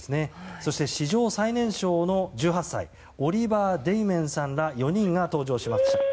そして、史上最年少の１８歳オリバー・デイメンさんら４人が搭乗しました。